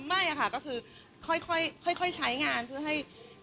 ไม่ค่ะก็คือค่อยใช้งานเพื่อให้